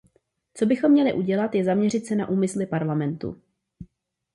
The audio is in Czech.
Co bychom měli udělat, je zaměřit se na úmysly parlamentu.